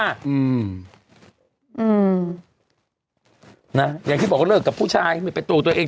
อืมนะอย่างที่บอกว่าเลิกกับผู้ชายไม่เป็นตัวตัวเอง